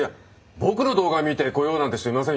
僕の動画見て来ようなんて人いませんよ。